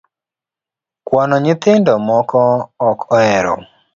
Kwano nyithindo moko ok ohero